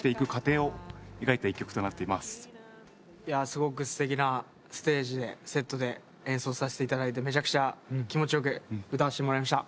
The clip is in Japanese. すごくすてきなステージでセットで演奏させていただいてめちゃくちゃ気持ちよく歌わせてもらいました。